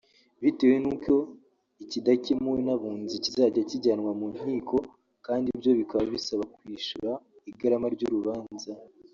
bitewe n’uko ikidakemuwe n’Abunzi kizajya kijyanwa mu nkiko kandi byo bikaba bisaba kwishyura igarama ry’urubanza